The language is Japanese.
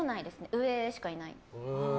上しかいない。